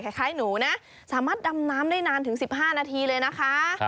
คล้ายหนูนะสามารถดำน้ำได้นานถึง๑๕นาทีเลยนะคะ